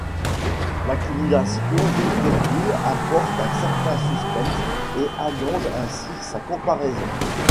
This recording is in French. L'accumulation de virgules apporte un certain suspens et allonge ainsi sa comparaison.